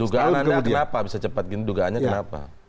dugaannya kenapa bisa cepat gini dugaannya kenapa